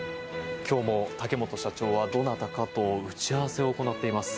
今日も竹本社長は、どなたかと打ち合わせを行っています。